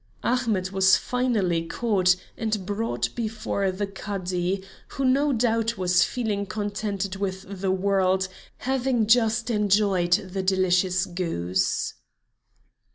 Ahmet was finally caught and brought before the Cadi, who no doubt was feeling contented with the world, having just enjoyed the delicious goose.